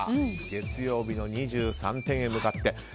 月曜日の２３点へ向かって。